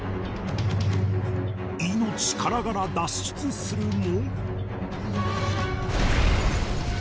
命からがら脱出するも